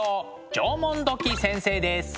縄文土器先生です。